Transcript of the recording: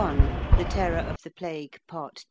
THE TERROR OF THE PLAGUE. PART II.